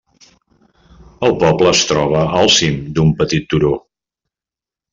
El poble es troba al cim d'un petit turó.